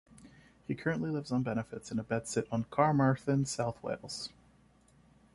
He currently lives on benefits in a bedsit in Carmarthen, South Wales.